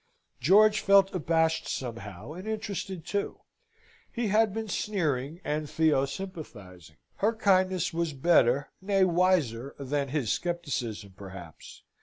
George felt abashed somehow, and interested too. He had been sneering, and Theo sympathising. Her kindness was better nay, wiser than his scepticism, perhaps.